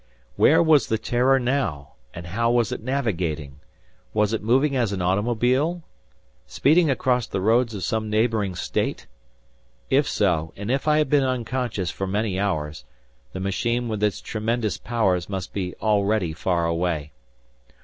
Where was the "Terror" now, and how was it navigating? Was it moving as an automobile? Speeding across the roads of some neighboring State? If so, and if I had been unconscious for many hours, the machine with its tremendous powers must be already far away.